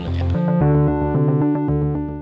หล่ำเต้นด้วย